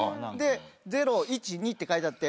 「０」「１」「２」って書いてあって。